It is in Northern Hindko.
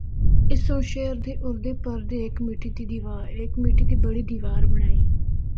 اس سنڑ شہر دے اُردے پردے ہک مٹی دی بڑی دیوار بنڑائی۔